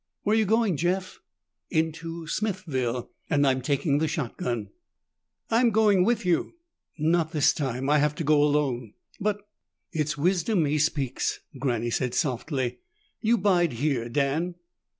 "Where you going, Jeff?" "Into Smithville and I'm taking the shotgun." "I'm going with you." "Not this time. I have to go alone." "But " "It's wisdom he speaks," Granny said softly. "You bide here, Dan."